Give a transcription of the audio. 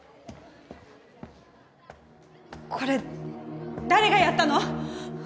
これ誰がやったの！？